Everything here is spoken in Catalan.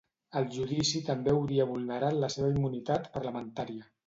El judici també hauria vulnerat la seva immunitat parlamentària.